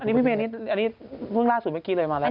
อันนี้พี่เมย์นี่อันนี้เพิ่งล่าสุดเมื่อกี้เลยมาแล้ว